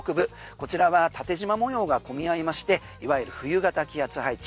こちらは縦じま模様が混み合いましていわゆる冬型気圧配置。